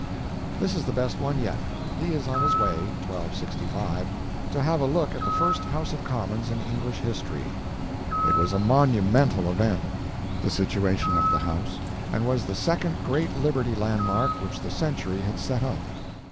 This is the best one yet. He is on his way (1265) to have a look at the first House of Commons in English history. It was a monumental event, the situation of the House, and was the second great liberty landmark which the century had set up.